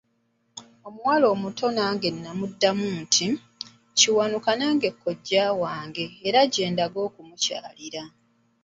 Omuwala omuto n'amuddamu nti, Kiwanuka nange kojja wange, era nange gye ndaga okumukyalira.